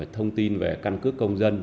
thông tin về căn cứ công dân